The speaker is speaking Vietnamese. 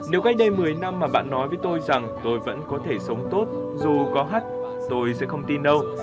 nếu cách đây một mươi năm mà bạn nói với tôi rằng tôi vẫn có thể sống tốt dù có hắt tôi sẽ không tin đâu